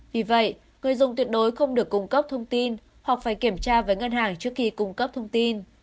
vì vậy người dùng tuyệt đối không được cung cấp thông tin hoặc phải kiểm tra với ngân hàng trước khi cung cấp thông tin